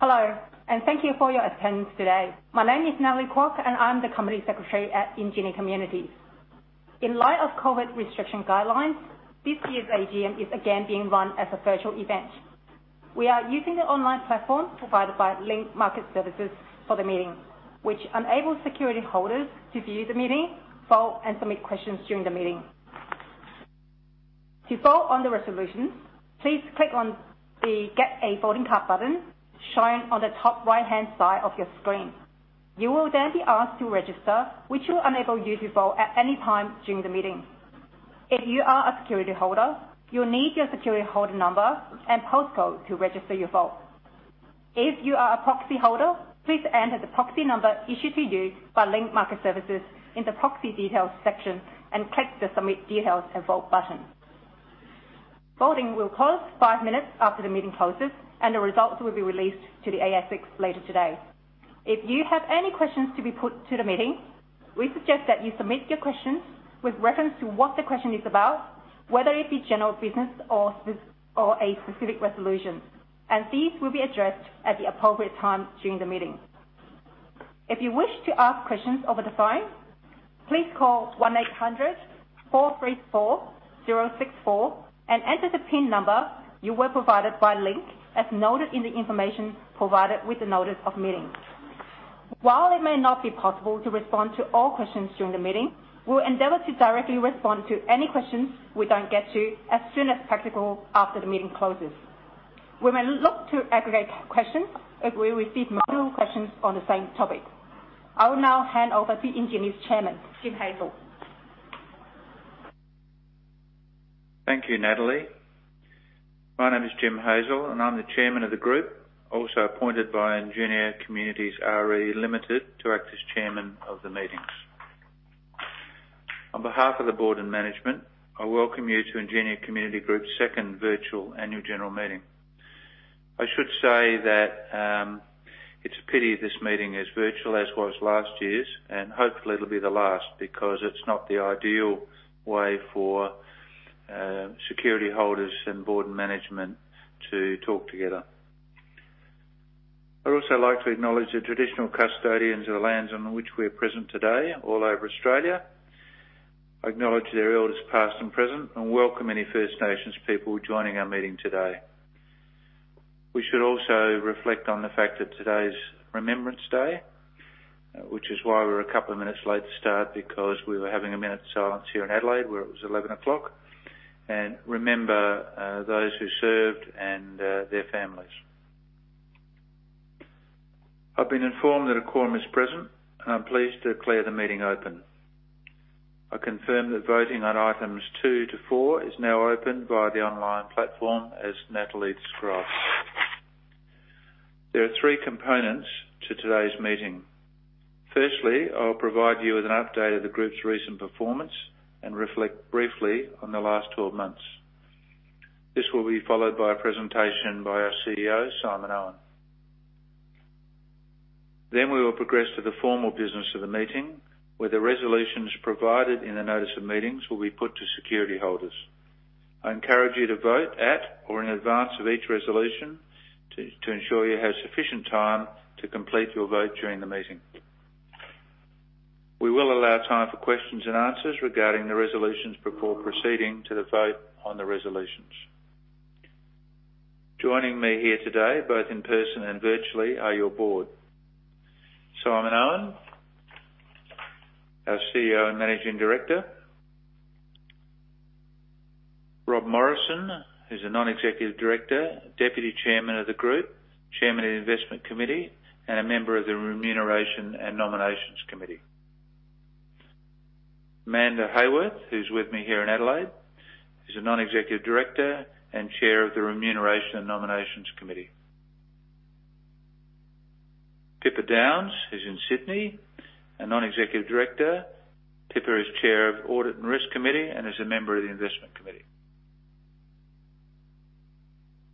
Hello, and thank you for your attendance today. My name is Natalie Kwok, and I'm the Company Secretary at Ingenia Communities. In light of COVID restriction guidelines, this year's AGM is again being run as a virtual event. We are using the online platform provided by Link Market Services for the meeting, which enables security holders to view the meeting, vote, and submit questions during the meeting. To vote on the resolutions, please click on the Get a Voting Card button shown on the top right-hand side of your screen. You will then be asked to register, which will enable you to vote at any time during the meeting. If you are a security holder, you'll need your security holder number and postcode to register your vote. If you are a proxy holder, please enter the proxy number issued to you by Link Market Services in the proxy details section and click the Submit Details & Vote button. Voting will close five minutes after the meeting closes, and the results will be released to the ASX later today. If you have any questions to be put to the meeting, we suggest that you submit your questions with reference to what the question is about, whether it be general business or specific resolution, and these will be addressed at the appropriate time during the meeting. If you wish to ask questions over the phone, please call 1800 434 064 and enter the PIN number you were provided by Link, as noted in the information provided with the notice of meeting. While it may not be possible to respond to all questions during the meeting, we'll endeavor to directly respond to any questions we don't get to as soon as practical after the meeting closes. We may look to aggregate questions if we receive multiple questions on the same topic. I will now hand over to Ingenia's Chairman, Jim Hazel. Thank you, Natalie. My name is Jim Hazel, and I'm the chairman of the group, also appointed by Ingenia Communities RE Limited to act as chairman of the meetings. On behalf of the board and management, I welcome you to Ingenia Communities Group's second virtual annual general meeting. I should say that it's a pity this meeting is virtual as was last year's, and hopefully it'll be the last because it's not the ideal way for security holders and board and management to talk together. I'd also like to acknowledge the traditional custodians of the lands on which we are present today all over Australia. I acknowledge their elders past and present and welcome any First Nations people joining our meeting today. We should also reflect on the fact that today's Remembrance Day, which is why we're a couple of minutes late to start because we were having a minute's silence here in Adelaide, where it was 11 o'clock, and remember those who served and their families. I've been informed that a quorum is present, and I'm pleased to declare the meeting open. I confirm that voting on items 2 to 4 is now open via the online platform as Natalie described. There are three components to today's meeting. Firstly, I'll provide you with an update of the group's recent performance and reflect briefly on the last 12 months. This will be followed by a presentation by our CEO, Simon Owen. Then we will progress to the formal business of the meeting, where the resolutions provided in the notice of meetings will be put to security holders. I encourage you to vote at or in advance of each resolution to ensure you have sufficient time to complete your vote during the meeting. We will allow time for questions and answers regarding the resolutions before proceeding to the vote on the resolutions. Joining me here today, both in person and virtually, are your Board. Simon Owen, our CEO and Managing Director. Rob Morrison, who's a non-executive director, Deputy Chairman of the Group, Chairman of the Investment Committee, and a member of the Remuneration and Nomination Committee. Amanda Heyworth, who's with me here in Adelaide, is a non-executive director and Chair of the Remuneration and Nomination Committee. Pippa Downes is in Sydney, a non-executive director. Pippa is Chair of Audit and Risk Committee and is a member of the Investment Committee.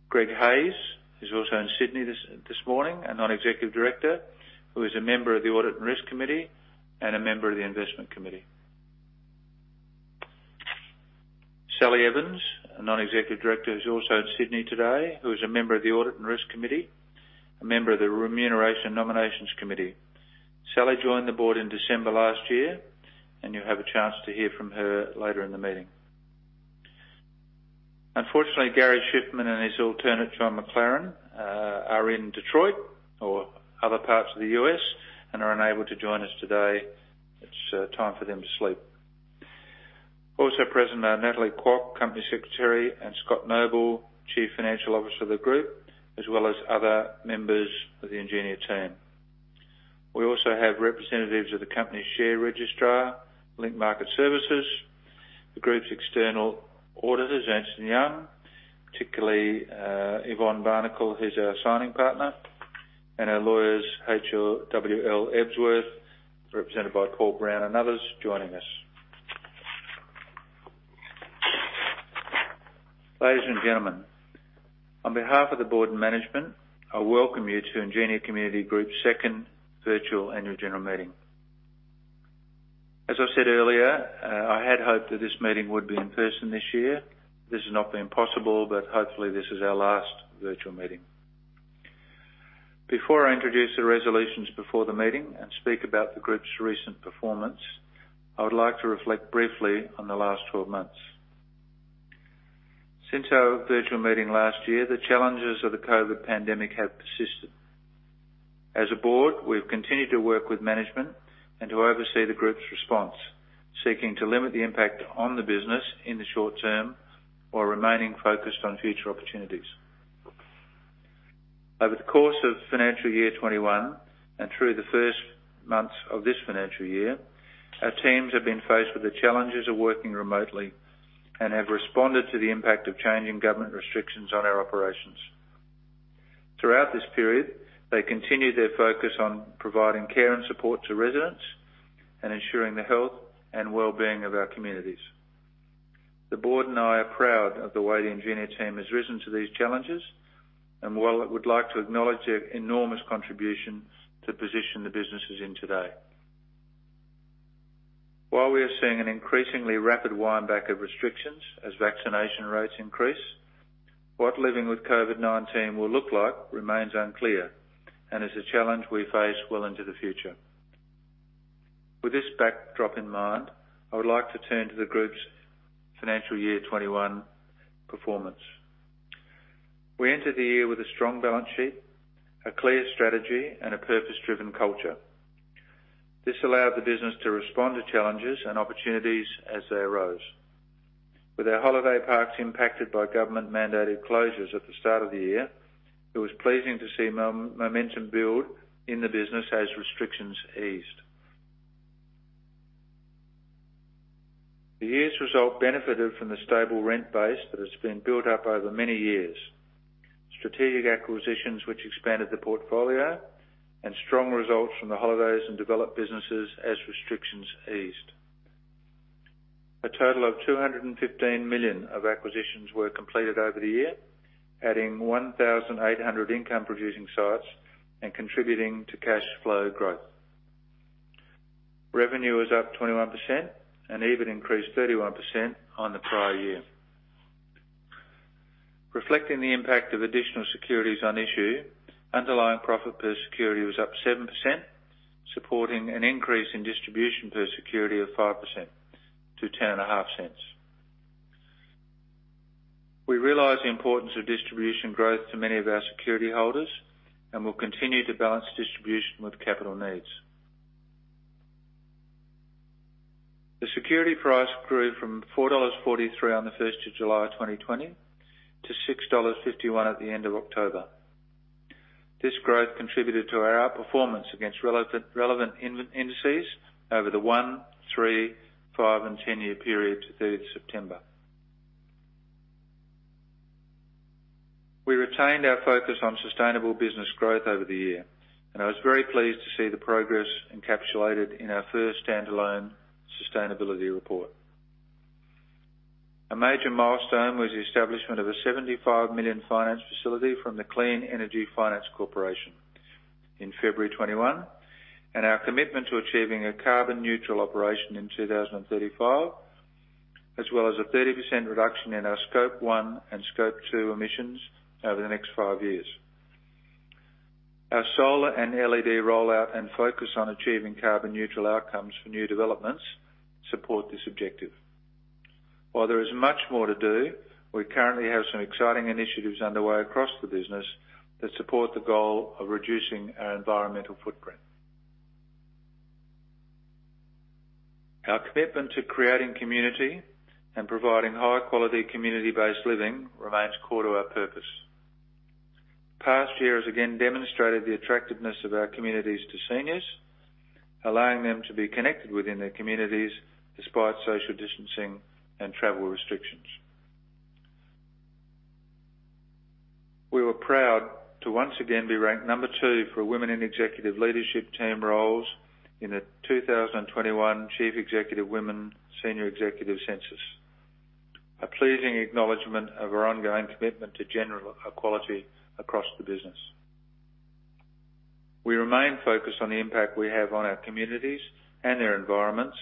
Greg Hayes is also in Sydney this morning, a non-executive director, who is a member of the Audit and Risk Committee and a member of the Investment Committee. Sally Evans, a non-executive director, who's also in Sydney today, who is a member of the Audit and Risk Committee, a member of the Remuneration and Nomination Committee. Sally joined the board in December last year, and you'll have a chance to hear from her later in the meeting. Unfortunately, Gary Shiffman and his alternate, John McLaren, are in Detroit or other parts of the U.S. and are unable to join us today. It's time for them to sleep. Also present are Natalie Kwok, Company Secretary, and Scott Noble, Chief Financial Officer of the group, as well as other members of the Ingenia team. We also have representatives of the company's share registrar, Link Market Services, the group's external auditors, Ernst & Young, particularly, Yvonne Barnacle, who's our signing partner, and our lawyers, HWL Ebsworth, represented by Paul Brown and others joining us. Ladies and gentlemen, on behalf of the board and management, I welcome you to Ingenia Communities Group's second virtual annual general meeting. As I said earlier, I had hoped that this meeting would be in person this year. This has not been possible, but hopefully, this is our last virtual meeting. Before I introduce the resolutions before the meeting and speak about the group's recent performance, I would like to reflect briefly on the last twelve months. Since our virtual meeting last year, the challenges of the COVID pandemic have persisted. As a board, we've continued to work with management and to oversee the group's response, seeking to limit the impact on the business in the short term while remaining focused on future opportunities. Over the course of financial year 2021 and through the first months of this financial year, our teams have been faced with the challenges of working remotely and have responded to the impact of changing government restrictions on our operations. Throughout this period, they continued their focus on providing care and support to residents and ensuring the health and wellbeing of our communities. The board and I are proud of the way the Ingenia team has risen to these challenges, we'd like to acknowledge their enormous contribution to position the businesses in today. While we are seeing an increasingly rapid wind back of restrictions as vaccination rates increase, what living with COVID-19 will look like remains unclear and is a challenge we face well into the future. With this backdrop in mind, I would like to turn to the group's financial year 2021 performance. We entered the year with a strong balance sheet, a clear strategy, and a purpose-driven culture. This allowed the business to respond to challenges and opportunities as they arose. With our holiday parks impacted by government-mandated closures at the start of the year, it was pleasing to see momentum build in the business as restrictions eased. The year's result benefited from the stable rent base that has been built up over many years, strategic acquisitions which expanded the portfolio, and strong results from the holidays and developed businesses as restrictions eased. A total of 215 million of acquisitions were completed over the year, adding 1,800 income-producing sites and contributing to cash flow growth. Revenue is up 21% and EBIT increased 31% on the prior year. Reflecting the impact of additional securities on issue, underlying profit per security was up 7%, supporting an increase in distribution per security of 5% to 0.105. We realize the importance of distribution growth to many of our security holders, and we'll continue to balance distribution with capital needs. The security price grew from 4.43 dollars on July 1, 2020 to 6.51 dollars at the end of October. This growth contributed to our outperformance against relevant indices over the 1-, 3-, 5-, and 10-year period to September 3. We retained our focus on sustainable business growth over the year, and I was very pleased to see the progress encapsulated in our first standalone Sustainability Report. A major milestone was the establishment of a 75 million finance facility from the Clean Energy Finance Corporation in February 2021, and our commitment to achieving a carbon neutral operation in 2035, as well as a 30% reduction in our scope one and scope two emissions over the next five years. Our solar and LED rollout and focus on achieving carbon neutral outcomes for new developments support this objective. While there is much more to do, we currently have some exciting initiatives underway across the business that support the goal of reducing our environmental footprint. Our commitment to creating community and providing high-quality, community-based living remains core to our purpose. past year has again demonstrated the attractiveness of our communities to seniors, allowing them to be connected within their communities despite social distancing and travel restrictions. We were proud to, once again, be ranked number two for women in executive leadership team roles in the 2021 Chief Executive Women Senior Executive Census, a pleasing acknowledgement of our ongoing commitment to gender equality across the business. We remain focused on the impact we have on our communities and their environments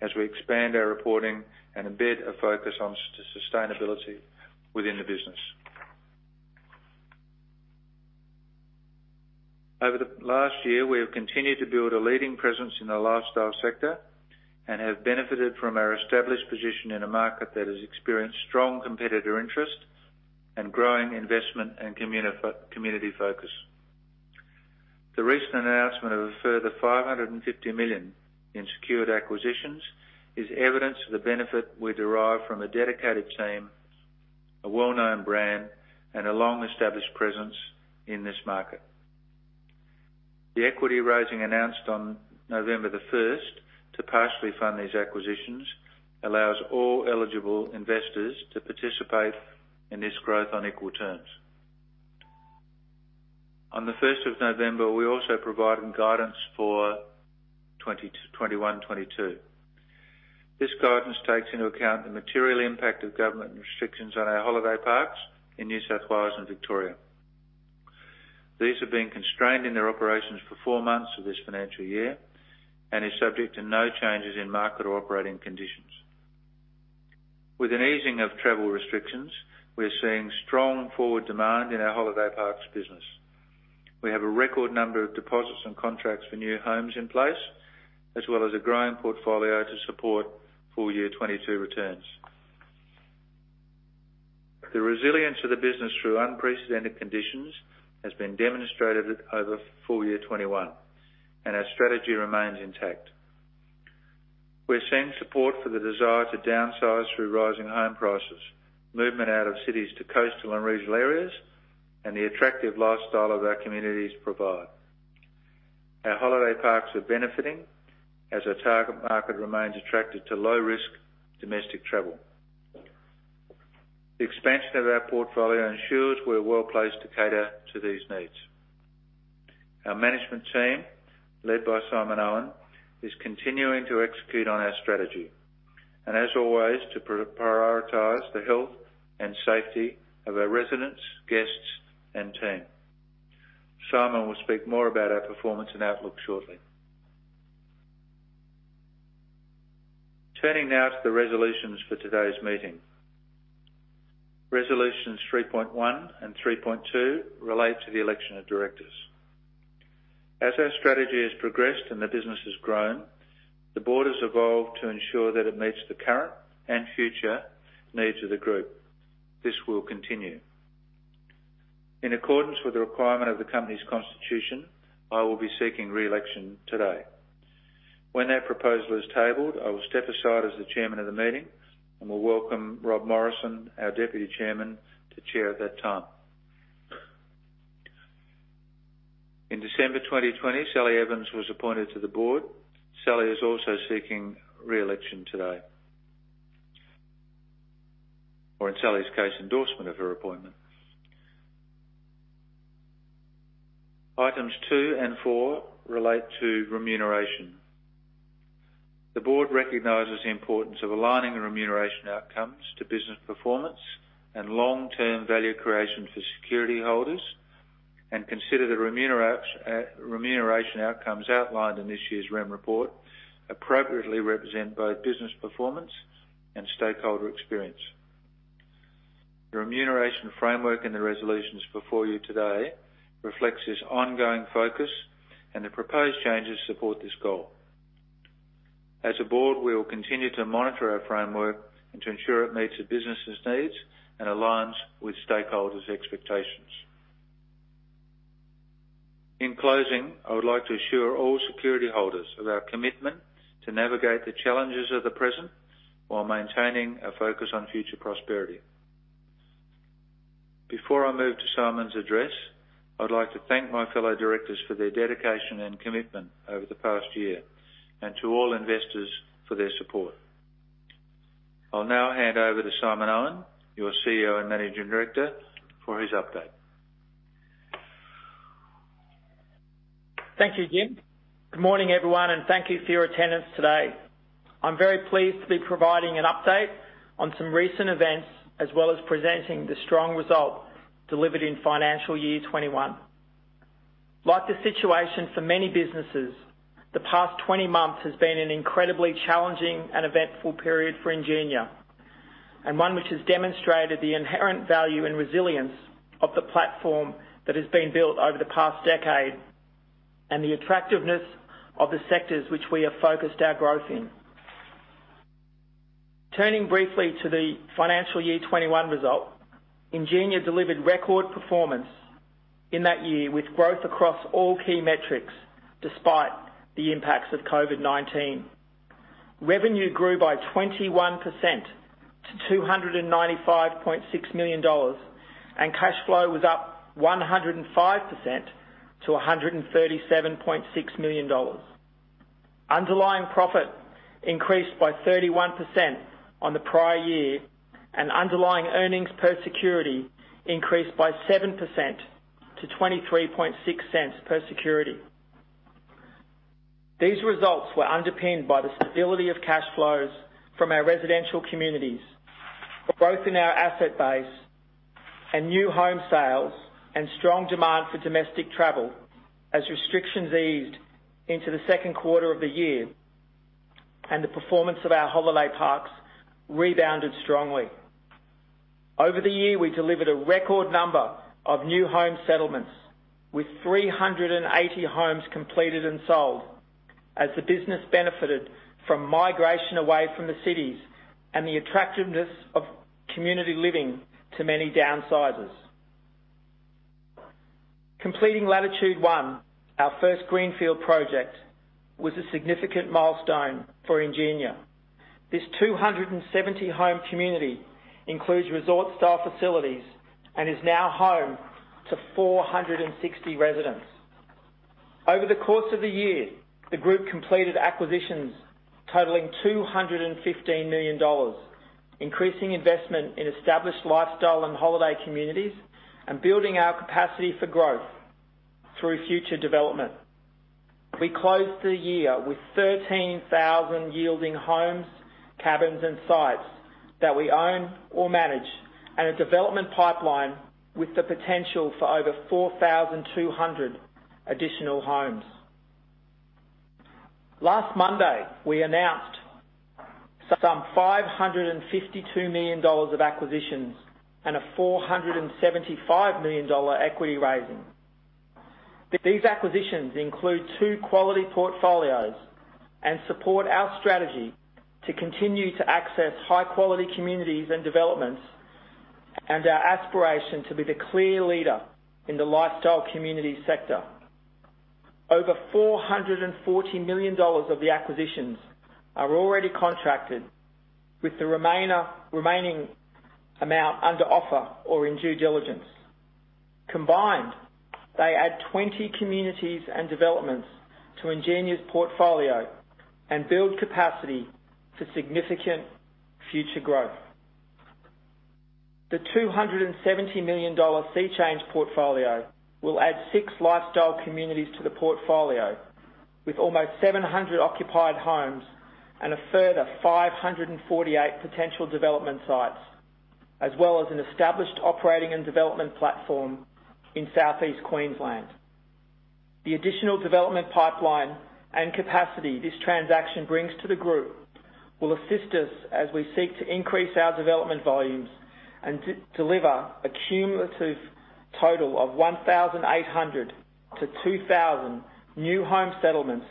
as we expand our reporting and embed a focus on sustainability within the business. Over the last year, we have continued to build a leading presence in the lifestyle sector and have benefited from our established position in a market that has experienced strong competitor interest and growing investment and community focus. The recent announcement of a further 550 million in secured acquisitions is evidence of the benefit we derive from a dedicated team, a well-known brand, and a long-established presence in this market. The equity raising announced on November 1st to partially fund these acquisitions allows all eligible investors to participate in this growth on equal terms. On November 1st, we also provided guidance for 2021, 2022. This guidance takes into account the material impact of government restrictions on our holiday parks in New South Wales and Victoria. These have been constrained in their operations for 4 months of this financial year and is subject to no changes in market or operating conditions. With an easing of travel restrictions, we are seeing strong forward demand in our holiday parks business. We have a record number of deposits and contracts for new homes in place, as well as a growing portfolio to support full year 2022 returns. The resilience of the business through unprecedented conditions has been demonstrated over full year 2021, and our strategy remains intact. We are seeing support for the desire to downsize through rising home prices, movement out of cities to coastal and regional areas, and the attractive lifestyle that our communities provide. Our holiday parks are benefiting as our target market remains attracted to low-risk domestic travel. The expansion of our portfolio ensures we are well-placed to cater to these needs. Our management team, led by Simon Owen, is continuing to execute on our strategy and, as always, to prioritize the health and safety of our residents, guests, and team. Simon will speak more about our performance and outlook shortly. Turning now to the resolutions for today's meeting. Resolutions 3.1 and 3.2 relate to the election of directors. As our strategy has progressed and the business has grown, the board has evolved to ensure that it meets the current and future needs of the group. This will continue. In accordance with the requirement of the company's constitution, I will be seeking re-election today. When that proposal is tabled, I will step aside as the chairman of the meeting and will welcome Rob Morrison, our deputy chairman, to chair at that time. In December 2020, Sally Evans was appointed to the board. Sally is also seeking re-election today. Or in Sally's case, endorsement of her appointment. Items 2 and 4 relate to remuneration. The board recognizes the importance of aligning the remuneration outcomes to business performance and long-term value creation for security holders and consider the remuneration outcomes outlined in this year's REM report appropriately represent both business performance and stakeholder experience. The remuneration framework and the resolutions before you today reflects this ongoing focus, and the proposed changes support this goal. As a board, we will continue to monitor our framework and to ensure it meets the business' needs and aligns with stakeholders' expectations. In closing, I would like to assure all security holders of our commitment to navigate the challenges of the present while maintaining a focus on future prosperity. Before I move to Simon's address, I'd like to thank my fellow directors for their dedication and commitment over the past year, and to all investors for their support. I'll now hand over to Simon Owen, your CEO and Managing Director, for his update. Thank you, Jim. Good morning, everyone, and thank you for your attendance today. I'm very pleased to be providing an update on some recent events, as well as presenting the strong result delivered in financial year 2021. Like the situation for many businesses, the past 20 months has been an incredibly challenging and eventful period for Ingenia, and one which has demonstrated the inherent value and resilience of the platform that has been built over the past decade and the attractiveness of the sectors which we have focused our growth in. Turning briefly to the financial year 2021 result, Ingenia delivered record performance in that year with growth across all key metrics, despite the impacts of COVID-19. Revenue grew by 21% to 295.6 million dollars, and cash flow was up 105% to 137.6 million dollars. Underlying profit increased by 31% on the prior year, and underlying earnings per security increased by 7% to 0.236 per security. These results were underpinned by the stability of cash flows from our residential communities, the growth in our asset base, and new home sales, and strong demand for domestic travel as restrictions eased into the second quarter of the year, and the performance of our holiday parks rebounded strongly. Over the year, we delivered a record number of new home settlements, with 380 homes completed and sold as the business benefited from migration away from the cities and the attractiveness of community living to many downsizers. Completing Latitude One, our first greenfield project, was a significant milestone for Ingenia. This 270-home community includes resort-style facilities and is now home to 460 residents. Over the course of the year, the group completed acquisitions totaling 215 million dollars, increasing investment in established lifestyle and holiday communities and building our capacity for growth through future development. We closed the year with 13,000 yielding homes, cabins and sites that we own or manage, and a development pipeline with the potential for over 4,200 additional homes. Last Monday, we announced 552 million dollars of acquisitions and a 475 million dollar equity raising. These acquisitions include two quality portfolios and support our strategy to continue to access high-quality communities and developments and our aspiration to be the clear leader in the lifestyle community sector. Over 440 million dollars of the acquisitions are already contracted, with the remaining amount under offer or in due diligence. Combined, they add 20 communities and developments to Ingenia's portfolio and build capacity for significant future growth. The 270 million dollar SeaChange portfolio will add 6 lifestyle communities to the portfolio, with almost 700 occupied homes and a further 548 potential development sites, as well as an established operating and development platform in Southeast Queensland. The additional development pipeline and capacity this transaction brings to the group will assist us as we seek to increase our development volumes and deliver a cumulative total of 1,800-2,000 new home settlements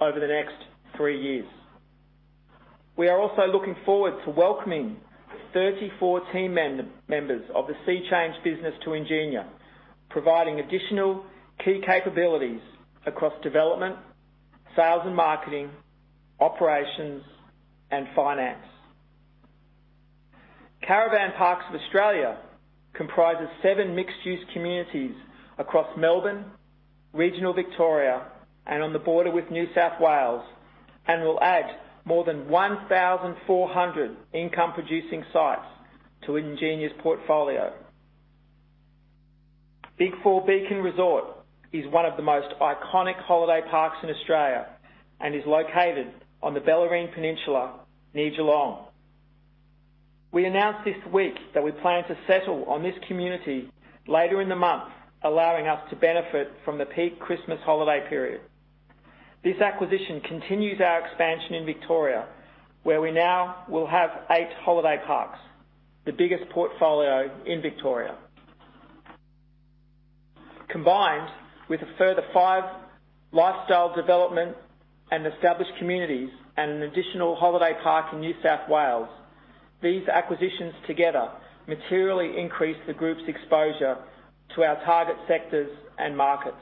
over the next three years. We are also looking forward to welcoming 34 team members of the SeaChange business to Ingenia, providing additional key capabilities across development, sales and marketing, operations, and finance. Caravan Parks of Australia comprises seven mixed-use communities across Melbourne, regional Victoria, and on the border with New South Wales, and will add more than 1,400 income-producing sites to Ingenia's portfolio. BIG4 Beacon Resort is one of the most iconic holiday parks in Australia and is located on the Bellarine Peninsula, near Geelong. We announced this week that we plan to settle on this community later in the month, allowing us to benefit from the peak Christmas holiday period. This acquisition continues our expansion in Victoria, where we now will have eight holiday parks, the biggest portfolio in Victoria. Combined with a further five lifestyle development and established communities and an additional holiday park in New South Wales, these acquisitions together materially increase the group's exposure to our target sectors and markets.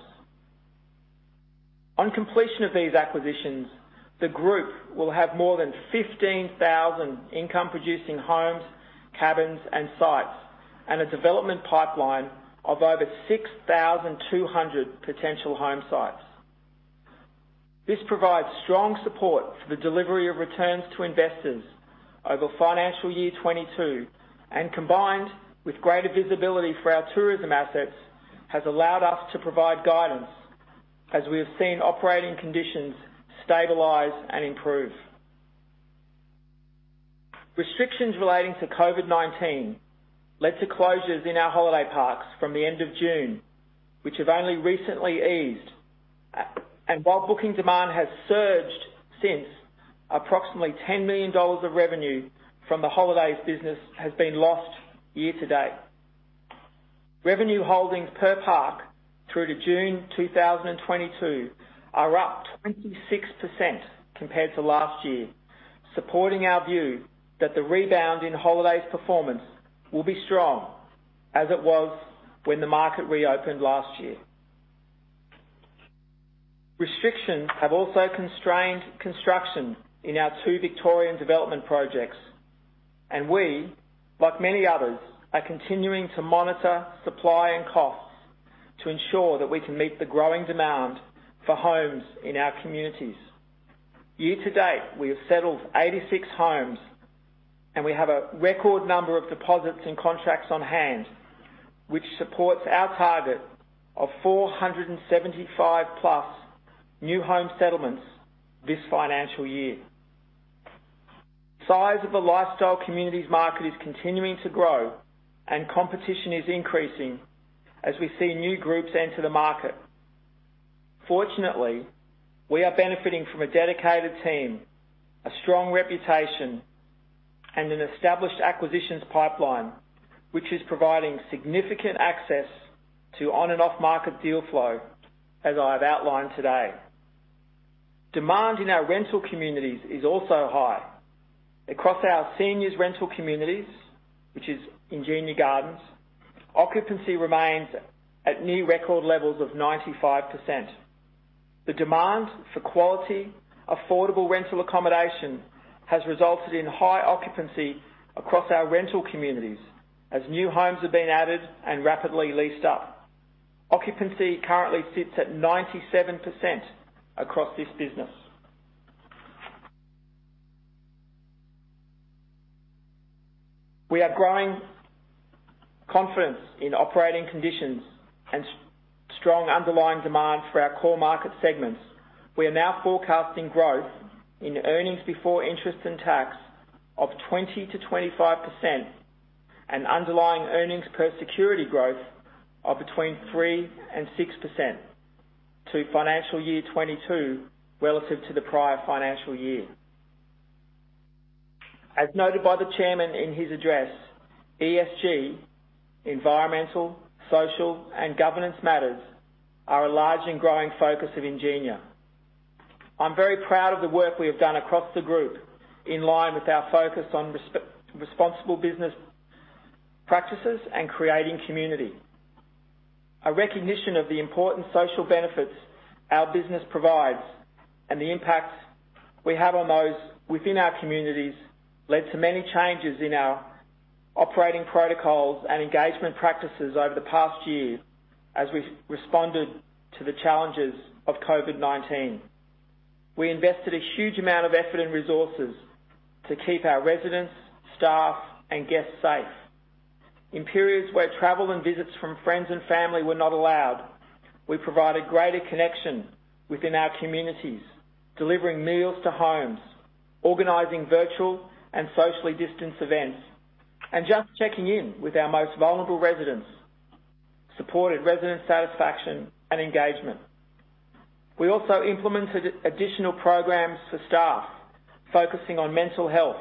On completion of these acquisitions, the group will have more than 15,000 income-producing homes, cabins, and sites, and a development pipeline of over 6,200 potential home sites. This provides strong support for the delivery of returns to investors over financial year 2022, and combined with greater visibility for our tourism assets, has allowed us to provide guidance as we have seen operating conditions stabilize and improve. Restrictions relating to COVID-19 led to closures in our holiday parks from the end of June, which have only recently eased. While booking demand has surged since, approximately 10 million dollars of revenue from the holidays business has been lost year to date. Revenue holdings per park through to June 2022 are up 26% compared to last year, supporting our view that the rebound in holidays performance will be strong, as it was when the market reopened last year. Restrictions have also constrained construction in our two Victorian development projects, and we, like many others, are continuing to monitor supply and costs to ensure that we can meet the growing demand for homes in our communities. Year to date, we have settled 86 homes, and we have a record number of deposits and contracts on hand, which supports our target of 475+ new home settlements this financial year. Size of the lifestyle communities market is continuing to grow and competition is increasing as we see new groups enter the market. Fortunately, we are benefiting from a dedicated team, a strong reputation, and an established acquisitions pipeline, which is providing significant access to on and off-market deal flow, as I have outlined today. Demand in our rental communities is also high. Across our seniors rental communities, which is Ingenia Gardens, occupancy remains at new record levels of 95%. The demand for quality, affordable rental accommodation has resulted in high occupancy across our rental communities as new homes have been added and rapidly leased up. Occupancy currently sits at 97% across this business. We are growing confidence in operating conditions and strong underlying demand for our core market segments. We are now forecasting growth in earnings before interest and tax of 20%-25% and underlying earnings per security growth of between 3% and 6% to FY 2022 relative to the prior financial year. As noted by the Chairman in his address, ESG, environmental, social, and governance matters, are a large and growing focus of Ingenia. I'm very proud of the work we have done across the group in line with our focus on responsible business practices and creating community. A recognition of the important social benefits our business provides and the impacts we have on those within our communities led to many changes in our operating protocols and engagement practices over the past year as we responded to the challenges of COVID-19. We invested a huge amount of effort and resources to keep our residents, staff, and guests safe. In periods where travel and visits from friends and family were not allowed, we provided greater connection within our communities, delivering meals to homes, organizing virtual and socially distanced events, and just checking in with our most vulnerable residents supported resident satisfaction and engagement. We also implemented additional programs for staff, focusing on mental health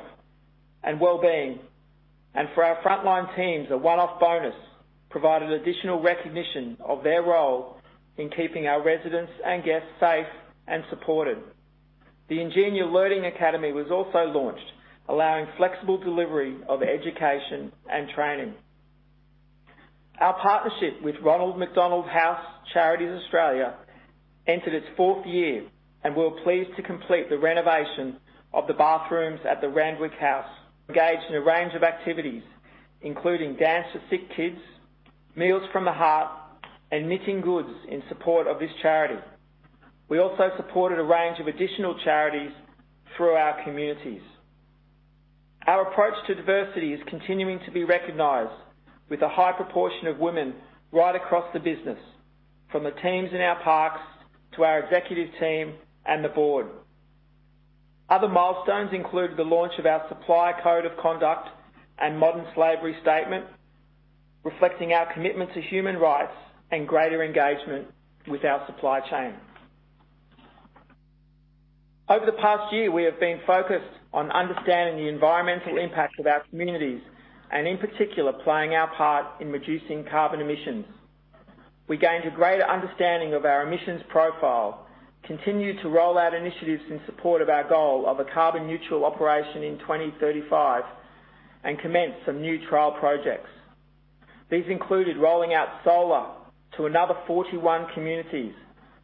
and well-being. For our frontline teams, a one-off bonus provided additional recognition of their role in keeping our residents and guests safe and supported. The Ingenia Learning Academy was also launched, allowing flexible delivery of education and training. Our partnership with Ronald McDonald House Charities Australia entered its fourth year, and we're pleased to complete the renovation of the bathrooms at the Randwick House. We engaged in a range of activities, including Dance for Sick Kids, Meals from the Heart, and knitting goods in support of this charity. We also supported a range of additional charities through our communities. Our approach to diversity is continuing to be recognized with a high proportion of women right across the business, from the teams in our parks to our executive team and the board. Other milestones include the launch of our Supplier Code of Conduct and Modern Slavery Statement, reflecting our commitment to human rights and greater engagement with our supply chain. Over the past year, we have been focused on understanding the environmental impact of our communities, and in particular, playing our part in reducing carbon emissions. We gained a greater understanding of our emissions profile, continued to roll out initiatives in support of our goal of a carbon neutral operation in 2035, and commenced some new trial projects. These included rolling out solar to another 41 communities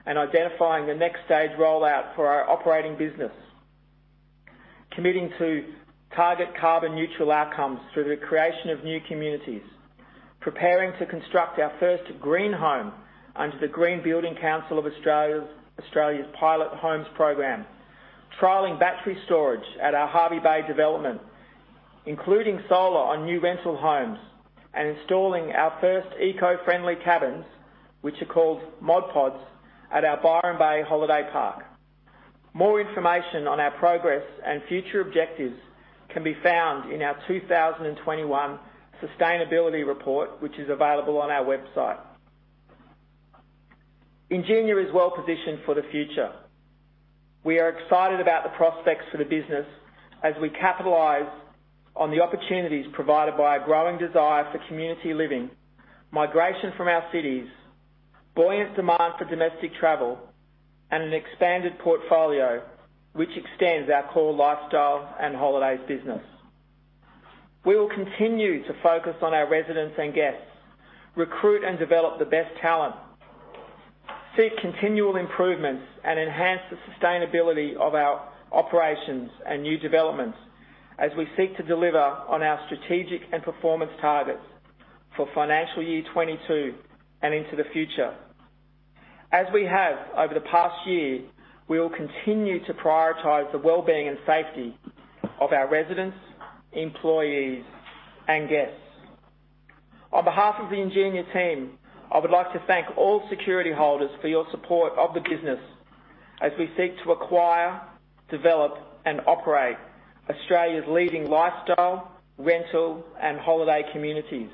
and identifying the next stage rollout for our operating business, committing to target carbon neutral outcomes through the creation of new communities, preparing to construct our first green home under the Green Building Council of Australia's Pilot Homes program. Trialing battery storage at our Hervey Bay development, including solar on new rental homes and installing our first eco-friendly cabins, which are called Mod Pods, at our Byron Bay holiday park. More information on our progress and future objectives can be found in our 2021 Sustainability Report, which is available on our website. Ingenia is well-positioned for the future. We are excited about the prospects for the business as we capitalize on the opportunities provided by a growing desire for community living, migration from our cities, buoyant demand for domestic travel, and an expanded portfolio which extends our core lifestyle and holidays business. We will continue to focus on our residents and guests, recruit and develop the best talent, seek continual improvements, and enhance the sustainability of our operations and new developments as we seek to deliver on our strategic and performance targets for financial year 2022 and into the future. As we have over the past year, we will continue to prioritize the well-being and safety of our residents, employees, and guests. On behalf of the Ingenia team, I would like to thank all security holders for your support of the business as we seek to acquire, develop, and operate Australia's leading lifestyle, rental, and holiday communities.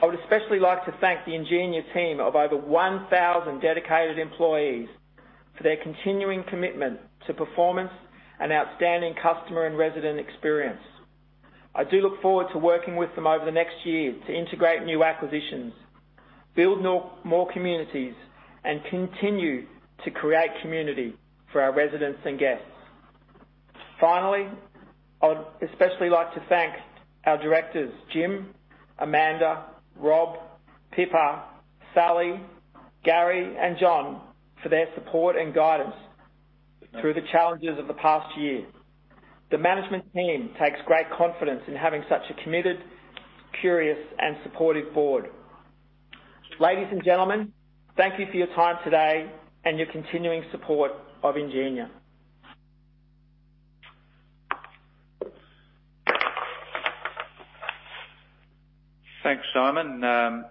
I would especially like to thank the Ingenia team of over 1,000 dedicated employees for their continuing commitment to performance and outstanding customer and resident experience. I do look forward to working with them over the next year to integrate new acquisitions, build more communities, and continue to create community for our residents and guests. Finally, I would especially like to thank our directors, Jim, Amanda, Rob, Pippa, Sally, Gary, and John, for their support and guidance through the challenges of the past year. The management team takes great confidence in having such a committed, curious, and supportive board. Ladies and gentlemen, thank you for your time today and your continuing support of Ingenia. Thanks, Simon. I'd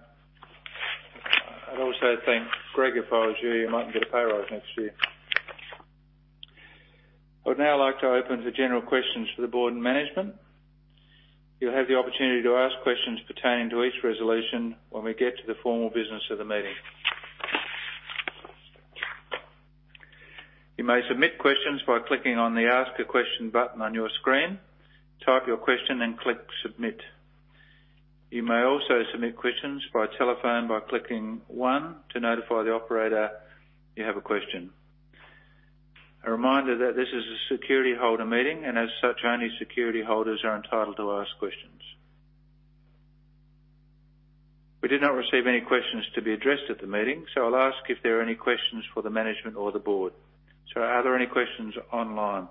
also thank Greg. If I was you might not get a pay rise next year. I'd now like to open for general questions for the board and management. You'll have the opportunity to ask questions pertaining to each resolution when we get to the formal business of the meeting. You may submit questions by clicking on the Ask a Question button on your screen. Type your question, then click Submit. You may also submit questions by telephone by clicking one to notify the operator you have a question. A reminder that this is a security holder meeting, and as such, only security holders are entitled to ask questions. We did not receive any questions to be addressed at the meeting, so I'll ask if there are any questions for the management or the board. Are there any questions online?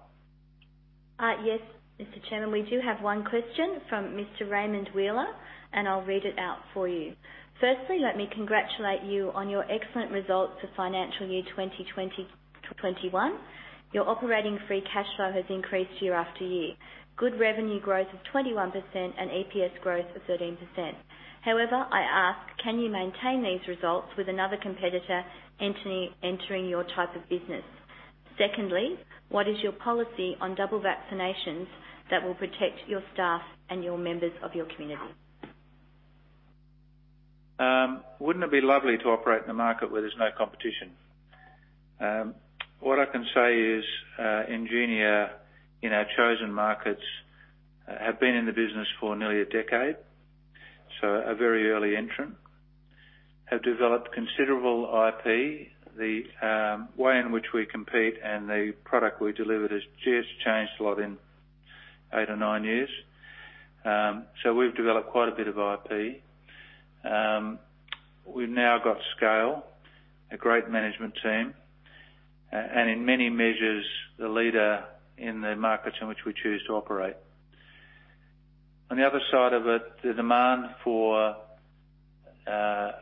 Yes, Mr. Chairman. We do have one question from Mr. Raymond Wheeler, and I'll read it out for you. Firstly, let me congratulate you on your excellent results for financial year 2020 to 2021. Your operating free cash flow has increased year after year. Good revenue growth of 21% and EPS growth of 13%. However, I ask, can you maintain these results with another competitor entering your type of business? Secondly, what is your policy on double vaccinations that will protect your staff and your members of your community? Wouldn't it be lovely to operate in a market where there's no competition? What I can say is, Ingenia, in our chosen markets, have been in the business for nearly a decade, so a very early entrant, have developed considerable IP. The way in which we compete and the product we delivered has just changed a lot in 8 or 9 years. So we've developed quite a bit of IP. We've now got scale, a great management team, and in many measures, the leader in the markets in which we choose to operate. On the other side of it, the demand for homes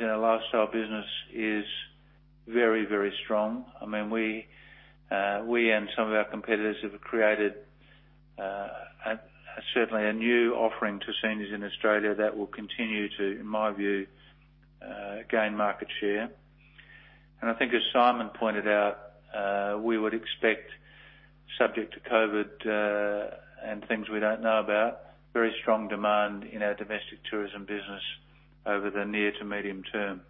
in our lifestyle business is very, very strong. I mean, we and some of our competitors have created certainly a new offering to seniors in Australia that will continue to, in my view, gain market share. I think as Simon pointed out, we would expect, subject to COVID, and things we don't know about, very strong demand in our domestic tourism business over the near to medium term.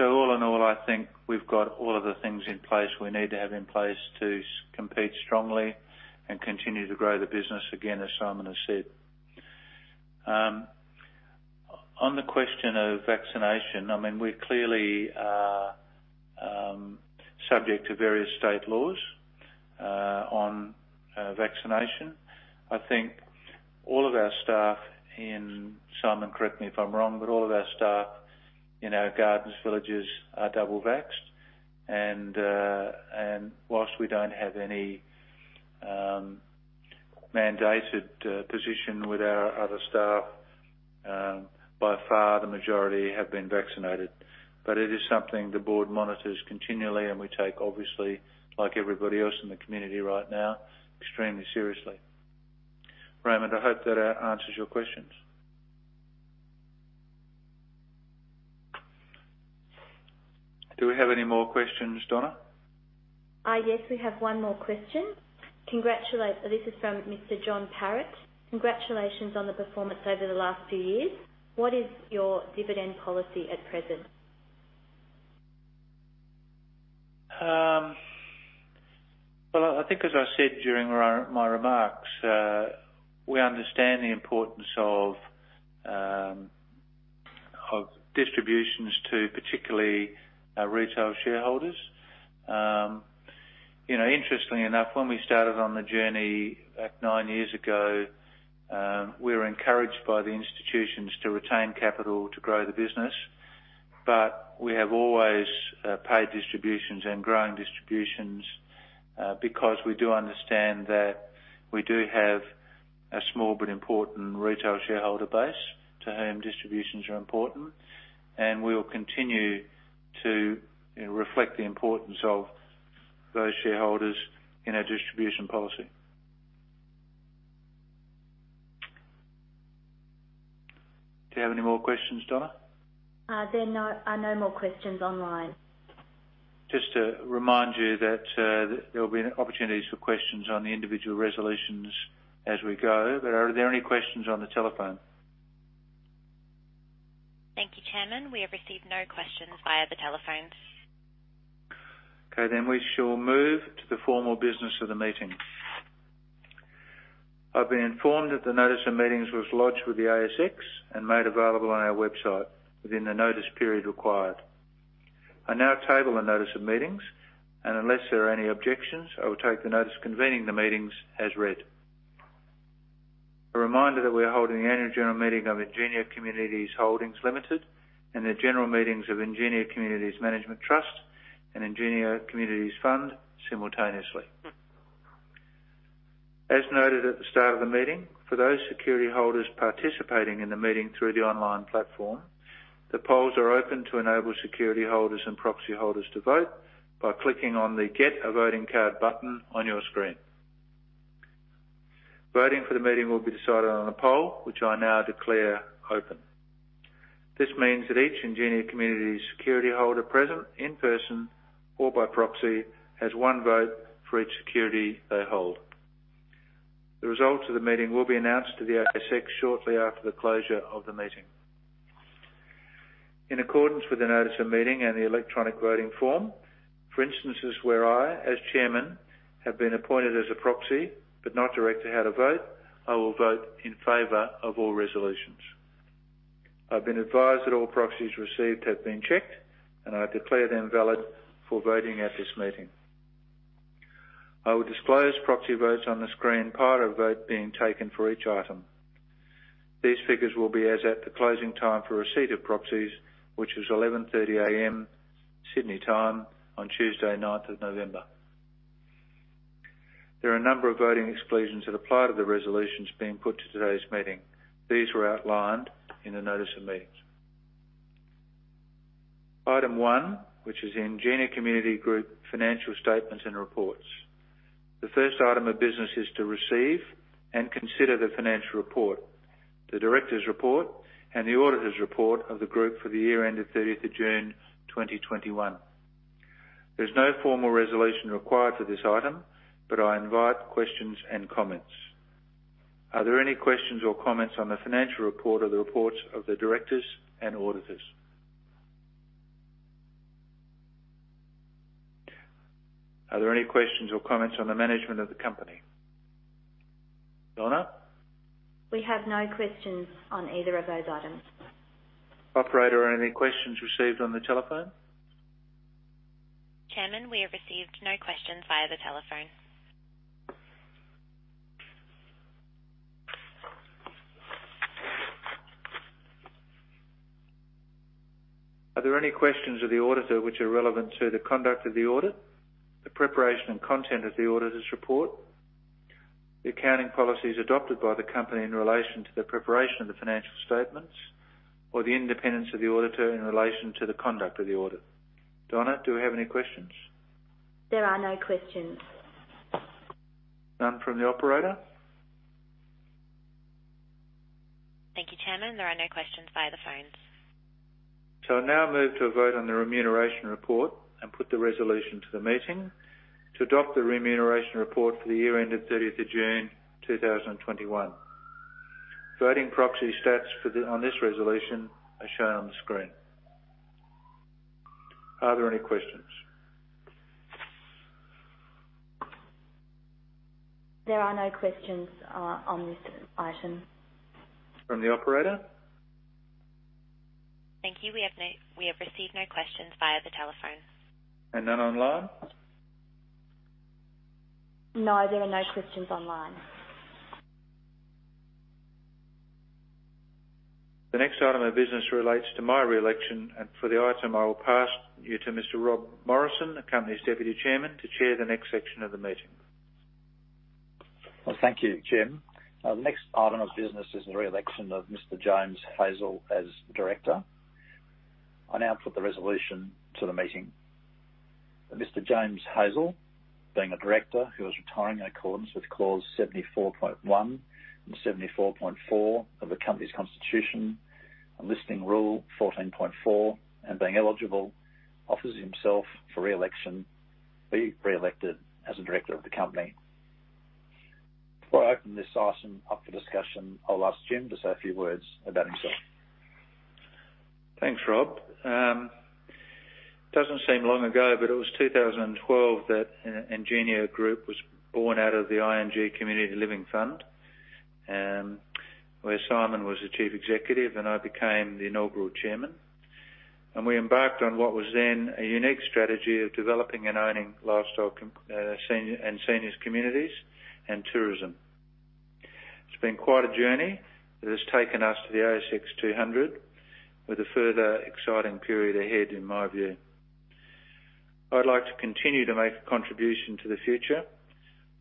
All in all, I think we've got all of the things in place we need to have in place to compete strongly and continue to grow the business again, as Simon has said. On the question of vaccination, I mean, we clearly are subject to various state laws on vaccination. I think all of our staff in our Gardens villages are double vaxxed. Simon, correct me if I'm wrong, but all of our staff in our Gardens villages are double vaxxed. Whilst we don't have any mandated position with our other staff, by far the majority have been vaccinated. It is something the board monitors continually, and we take, obviously, like everybody else in the community right now, extremely seriously. Raymond, I hope that answers your questions. Do we have any more questions, Donna? Yes, we have one more question. This is from Mr. John Parrott. Congratulations on the performance over the last few years. What is your dividend policy at present? Well, I think as I said during my remarks, we understand the importance of distributions to particularly our retail shareholders. You know, interestingly enough, when we started on the journey nine years ago, we were encouraged by the institutions to retain capital to grow the business, but we have always paid distributions and grown distributions because we do understand that we do have a small but important retail shareholder base to whom distributions are important, and we will continue to reflect the importance of those shareholders in our distribution policy. Do you have any more questions, Donna? There are no more questions online. Just to remind you that there will be opportunities for questions on the individual resolutions as we go. Are there any questions on the telephone? Thank you, Chairman. We have received no questions via the telephones. Okay, we shall move to the formal business of the meeting. I've been informed that the notice of meetings was lodged with the ASX and made available on our website within the notice period required. I now table a notice of meetings, and unless there are any objections, I will take the notice convening the meetings as read. A reminder that we are holding the annual general meeting of Ingenia Communities Holdings Limited and the general meetings of Ingenia Communities Management Trust and Ingenia Communities Fund simultaneously. As noted at the start of the meeting, for those security holders participating in the meeting through the online platform, the polls are open to enable security holders and proxy holders to vote by clicking on the Get a voting card button on your screen. Voting for the meeting will be decided on a poll, which I now declare open. This means that each Ingenia Communities security holder present in person or by proxy has one vote for each security they hold. The results of the meeting will be announced to the ASX shortly after the closure of the meeting. In accordance with the notice of meeting and the electronic voting form, for instances where I, as Chairman, have been appointed as a proxy, but not directed how to vote, I will vote in favor of all resolutions. I've been advised that all proxies received have been checked, and I declare them valid for voting at this meeting. I will disclose proxy votes on the screen prior to a vote being taken for each item. These figures will be as at the closing time for receipt of proxies, which is 11:30 A.M. Sydney time on Tuesday, ninth of November. There are a number of voting exclusions that apply to the resolutions being put to today's meeting. These were outlined in the notice of meetings. Item one, which is Ingenia Communities Group financial statements and reports. The first item of business is to receive and consider the financial report, the directors' report, and the auditors' report of the group for the year ended 30th of June 2021. There's no formal resolution required for this item, but I invite questions and comments. Are there any questions or comments on the financial report or the reports of the directors and auditors? Are there any questions or comments on the management of the company? Donna? We have no questions on either of those items. Operator, are there any questions received on the telephone? Chairman, we have received no questions via the telephone. Are there any questions of the auditor which are relevant to the conduct of the audit, the preparation and content of the auditor's report, the accounting policies adopted by the company in relation to the preparation of the financial statements, or the independence of the auditor in relation to the conduct of the audit? Donna, do we have any questions? There are no questions. None from the operator? Thank you, Chairman. There are no questions via the phones. I now move to a vote on the remuneration report and put the resolution to the meeting to adopt the remuneration report for the year ended 30th of June, 2021. Voting proxy stats on this resolution are shown on the screen. Are there any questions? There are no questions on this item. From the operator? Thank you. We have received no questions via the telephone. None online? No, there are no questions online. The next item of business relates to my re-election, and for the item, I will pass you to Mr. Rob Morrison, the company's Deputy Chairman, to chair the next section of the meeting. Well, thank you, Jim. The next item of business is the re-election of Mr. James Hazel as Director. I now put the resolution to the meeting. That Mr. James Hazel, being a director who is retiring in accordance with Clause 74.1 and 74.4 of the company's constitution, and Listing Rule 14.4, and being eligible, be re-elected as a director of the company. Before I open this item up for discussion, I'll ask Jim to say a few words about himself. Thanks, Rob. Doesn't seem long ago, but it was 2012 that Ingenia Group was born out of the ING Real Estate Community Living Fund, where Simon was the Chief Executive, and I became the inaugural Chairman. We embarked on what was then a unique strategy of developing and owning lifestyle seniors communities and tourism. It's been quite a journey that has taken us to the ASX 200 with a further exciting period ahead, in my view. I'd like to continue to make a contribution to the future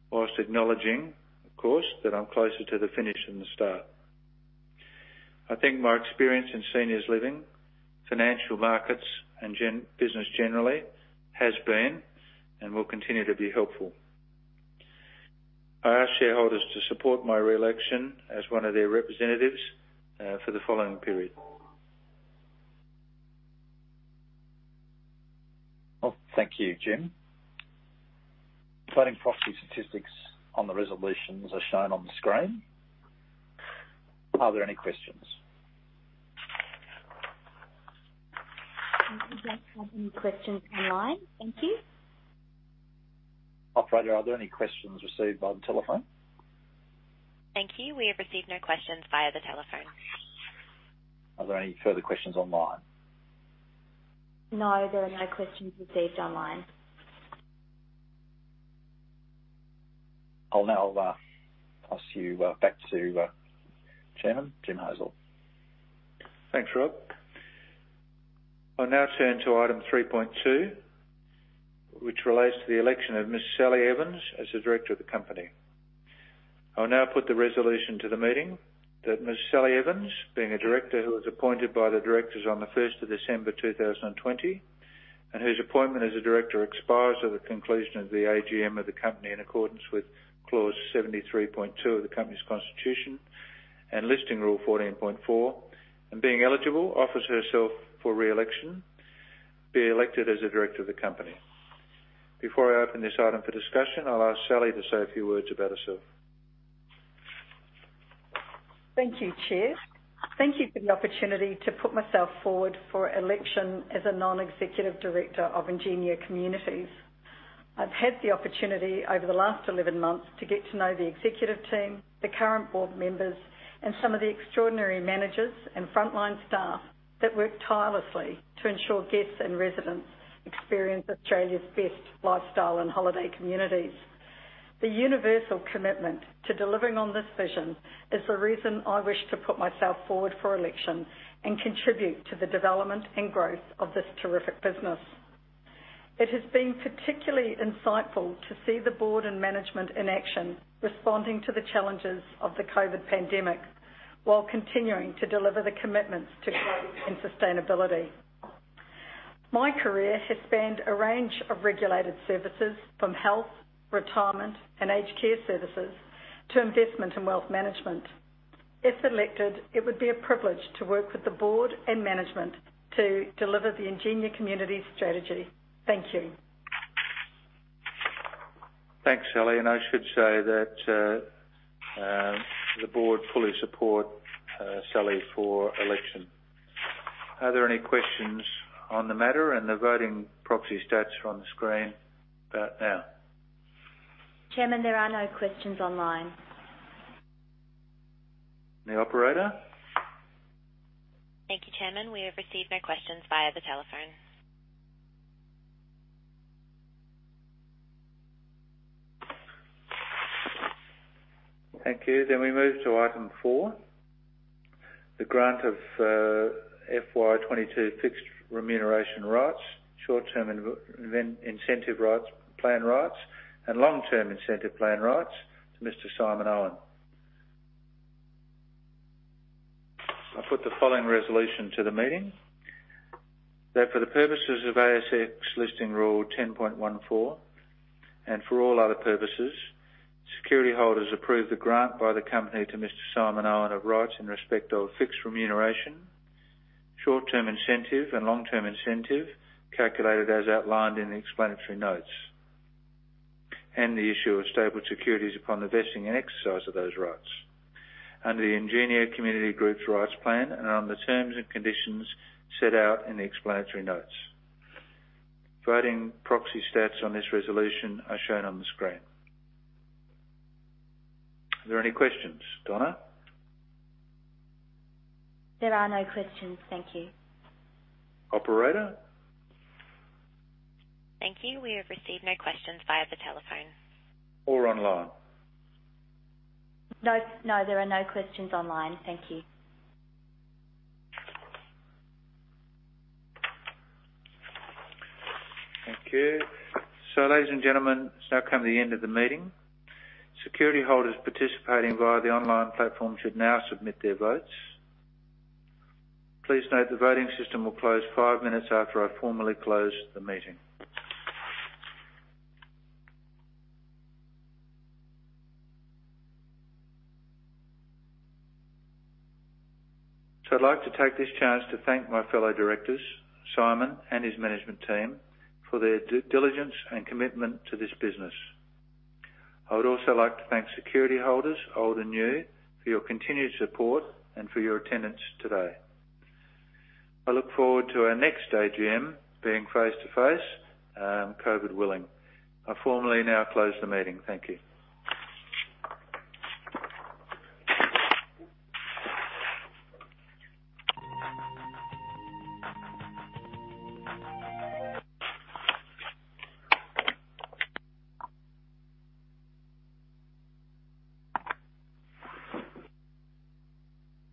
whilst acknowledging, of course, that I'm closer to the finish than the start. I think my experience in seniors living, financial markets, and business generally has been and will continue to be helpful. I ask shareholders to support my re-election as one of their representatives for the following period. Well, thank you, Jim. Voting proxy statistics on the resolutions are shown on the screen. Are there any questions? We don't have any questions online. Thank you. Operator, are there any questions received by the telephone? Thank you. We have received no questions via the telephone. Are there any further questions online? No, there are no questions received online. I'll now pass you back to Chairman Jim Hazel. Thanks, Rob. I'll now turn to item 3.2, which relates to the election of Ms. Sally Evans as a director of the company. I'll now put the resolution to the meeting that Ms. Sally Evans, being a director who was appointed by the directors on the first of December 2020, and whose appointment as a director expires at the conclusion of the AGM of the company in accordance with Clause 73.2 of the company's constitution and Listing Rule 14.4, and being eligible, offers herself for re-election, be elected as a director of the company. Before I open this item for discussion, I'll ask Sally to say a few words about herself. Thank you, Chair. Thank you for the opportunity to put myself forward for election as a non-executive director of Ingenia Communities. I've had the opportunity over the last 11 months to get to know the executive team, the current board members, and some of the extraordinary managers and frontline staff that work tirelessly to ensure guests and residents experience Australia's best lifestyle and holiday communities. The universal commitment to delivering on this vision is the reason I wish to put myself forward for election and contribute to the development and growth of this terrific business. It has been particularly insightful to see the board and management in action responding to the challenges of the COVID pandemic while continuing to deliver the commitments to growth and sustainability. My career has spanned a range of regulated services from health, retirement, and aged care services to investment and wealth management. If elected, it would be a privilege to work with the board and management to deliver the Ingenia Communities strategy. Thank you. Thanks, Sally. I should say that the board fully support Sally for election. Are there any questions on the matter? The voting proxy stats are on the screen about now. Chairman, there are no questions online. The operator? Thank you, Chairman. We have received no questions via the telephone. Thank you. We move to item 4, the grant of FY 2022 fixed remuneration rights, short-term incentive plan rights, and long-term incentive plan rights to Mr. Simon Owen. I put the following resolution to the meeting that for the purposes of ASX Listing Rule 10.14 and for all other purposes, security holders approve the grant by the company to Mr. Simon Owen of rights in respect of fixed remuneration, short-term incentive, and long-term incentive, calculated as outlined in the explanatory notes, and the issue of stapled securities upon the vesting and exercise of those rights under the Ingenia Communities Group's rights plan and on the terms and conditions set out in the explanatory notes. Voting proxy stats on this resolution are shown on the screen. Are there any questions? Donna? There are no questions. Thank you. Operator? Thank you. We have received no questions via the telephone. Online? No, no, there are no questions online. Thank you. Thank you. Ladies and gentlemen, it's now come to the end of the meeting. Security holders participating via the online platform should now submit their votes. Please note the voting system will close five minutes after I formally close the meeting. I'd like to take this chance to thank my fellow directors, Simon and his management team, for their due diligence and commitment to this business. I would also like to thank security holders, old and new, for your continued support and for your attendance today. I look forward to our next AGM being face to face, COVID willing. I formally now close the meeting. Thank you.